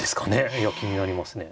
いや気になりますね。